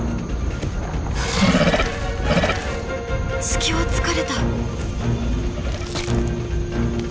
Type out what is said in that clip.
隙をつかれた。